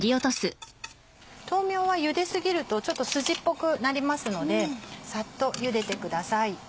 豆苗はゆで過ぎるとちょっとスジっぽくなりますのでサッとゆでてください。